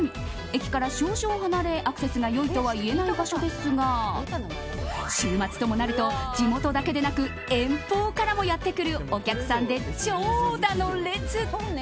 駅から少々離れた、アクセスがよいとはいえない場所ですが週末ともなると地元だけでなく遠方からもやってくるお客さんで長蛇の列。